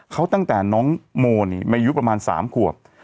เขาตั้งแต่น้องโมนี่มายุประมาณ๓ขวบ